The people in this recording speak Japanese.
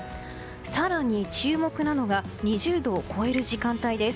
更に、注目なのが２０度を超える時間帯です。